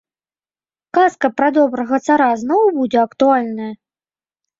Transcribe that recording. Казка пра добрага цара зноў будзе актуальная?